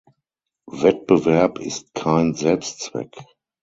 Wettbewerb ist kein Selbstzweck.